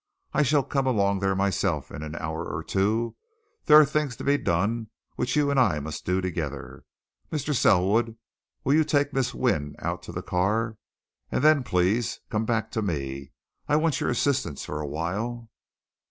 I shall come along there myself in an hour or two there are things to be done which you and I must do together. Mr. Selwood will you take Miss Wynne out to the car? And then, please, come back to me I want your assistance for a while."